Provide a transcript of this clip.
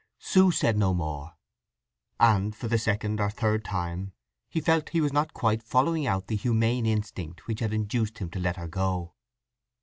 Sue said no more; and for the second or third time he felt he was not quite following out the humane instinct which had induced him to let her go.